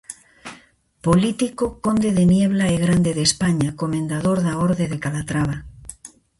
Político, conde de Niebla e grande de España, comendador da orde de Calatrava.